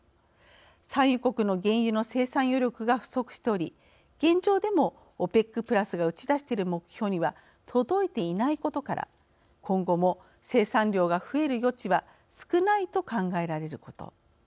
産油国の原油の生産余力が不足しており現状でもＯＰＥＣプラスが打ち出している目標には届いていないことから今後も生産量が増える余地は少ないと考えられること。